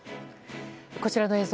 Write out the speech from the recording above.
こちらの映像。